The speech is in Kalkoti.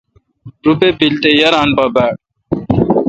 روپہ بیل تو تے یاران پہ باڑ۔